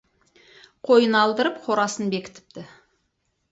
Қойын алдырып, қорасын бекітіпті.